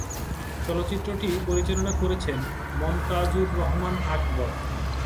চলচ্চিত্রটি পরিচালনা করেছেন মনতাজুর রহমান আকবর।